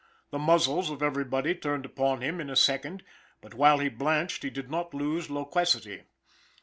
The muzzles of everybody turned upon him in a second; but, while he blanched, he did not lose loquacity.